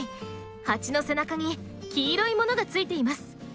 ハチの背中に黄色いものがついています。